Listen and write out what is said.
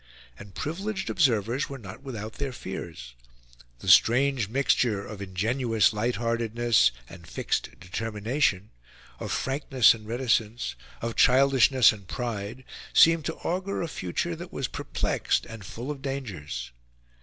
And privileged observers were not without their fears. The strange mixture of ingenuous light heartedness and fixed determination, of frankness and reticence, of childishness and pride, seemed to augur a future that was perplexed and full of dangers.